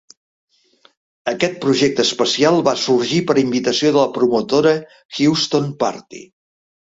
Aquest projecte especial va sorgir per invitació de la promotora Houston Party.